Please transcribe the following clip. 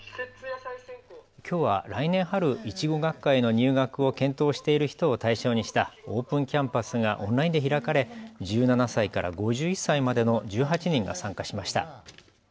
きょうは来年春いちご学科学科への入学を検討している人を対象にしたオープンキャンパスがオンラインで開かれ１７歳から５１歳までの１８人が参加しました。